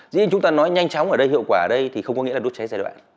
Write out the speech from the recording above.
dĩ nhiên chúng ta nói nhanh chóng ở đây hiệu quả ở đây thì không có nghĩa là đốt cháy giai đoạn